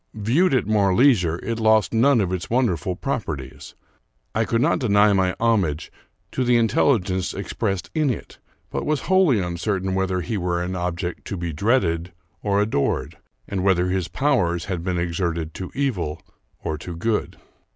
Viewed at more leisure, it lost none of its wonderful proper ties. I could not deny my homage to the intelligence ex pressed in it, but was wholly uncertain whether he were an object to be dreaded or adored, and whether his powers had been exerted to evil or to good.